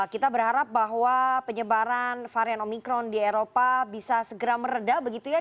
kita berharap bahwa penyebaran varian omikron di eropa bisa segera meredah begitu ya